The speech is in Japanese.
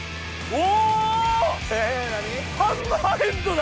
お！